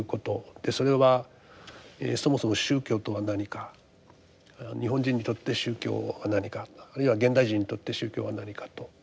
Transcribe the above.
でそれはそもそも宗教とは何か日本人にとって宗教は何かあるいは現代人にとって宗教は何かと。